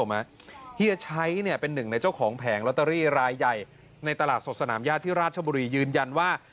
เฮียชัยเป็นหนึ่งในเจ้าของแผงลอตเตอรี่รายใหญ่ในตลาดสดสนามญาติที่ราชบุรียืนยันว่า